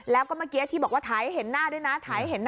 แล้วก็เมื่อกี้ที่บอกว่าถ่ายเห็นหน้าด้วยนะ